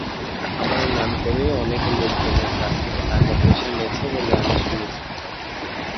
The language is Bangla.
আমার নাম করে অনেকে লোকজনের কাছ থেকে টাকাপয়সা নেছে বলে আমি শুনিছি।